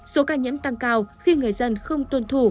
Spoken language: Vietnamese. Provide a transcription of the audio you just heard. số ca nhiễm tăng cao khi người dân không tuân thủ